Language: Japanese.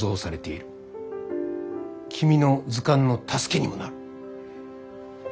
君の図鑑の助けにもなる。